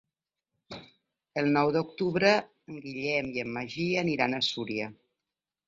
El nou d'octubre en Guillem i en Magí aniran a Súria.